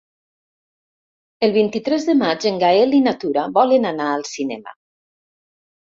El vint-i-tres de maig en Gaël i na Tura volen anar al cinema.